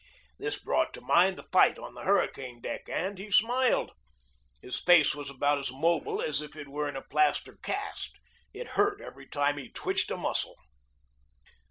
This brought to mind the fight on the hurricane deck, and he smiled. His face was about as mobile as if it were in a plaster cast. It hurt every time he twitched a muscle.